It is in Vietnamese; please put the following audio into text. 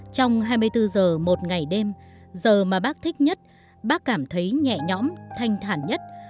trong hai mươi bốn giờ một ngày đêm giờ mà bác thích nhất bác cảm thấy nhẹ nhõm thanh thản nhất